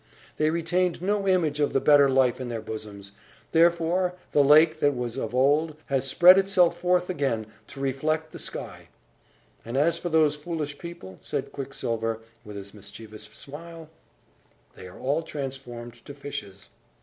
They retained no image of the better life in their bosoms; therefore, the lake, that was of old, has spread itself forth again, to reflect the sky!" "And as for those foolish people," said Quicksilver, with his mischievous smile, "they are all transformed to fishes.